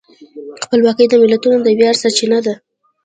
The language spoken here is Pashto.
خپلواکي د ملتونو د ویاړ سرچینه ده.